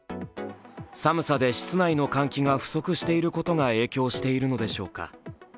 寒さで室内の換気が不足していることが影響しているのでしょうか。